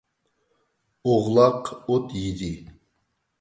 ئوغلاق ئوت يېدى.